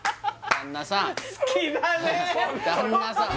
旦那さん